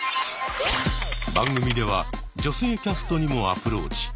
番組では女性キャストにもアプローチ。